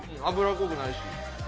油っこくないし。